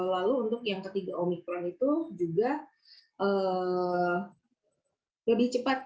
lalu untuk yang ketiga omikron itu juga lebih cepat